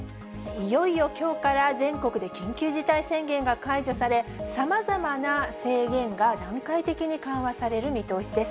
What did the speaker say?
いよいよきょうから全国で緊急事態宣言が解除され、さまざまな制限が段階的に緩和される見通しです。